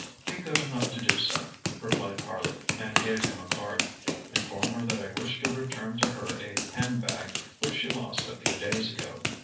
ŌĆØ ŌĆ£Be good enough to do so, ŌĆØ replied Harley, and gave him a card. ŌĆ£Inform her that I wish to return to her a handbag which she lost a few days ago.